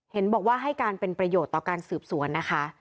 เห็นบอกว่าให้การเป็นประโยชน์ต่อการสืบสวนนะคะ